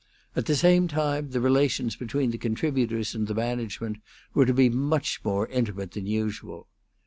At the same time the relations between the contributors and the management were to be much more, intimate than usual.